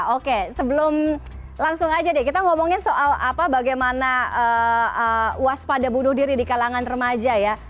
oke sebelum langsung aja deh kita ngomongin soal apa bagaimana waspada bunuh diri di kalangan remaja ya